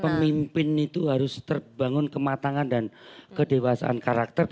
pemimpin itu harus terbangun kematangan dan kedewasaan karakter